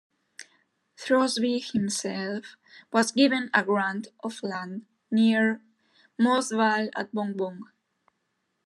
Throsby himself was given a grant of land near Moss Vale at Bong Bong.